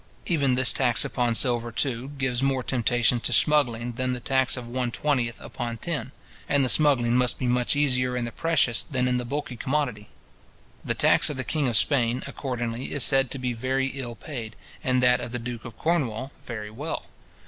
Even this tax upon silver, too, gives more temptation to smuggling than the tax of one twentieth upon tin; and smuggling must be much easier in the precious than in the bulky commodity. The tax of the king of Spain, accordingly, is said to be very ill paid, and that of the duke of Cornwall very well.